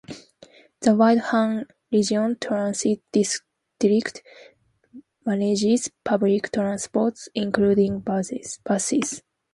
The Windham Region Transit District manages public transport, including buses.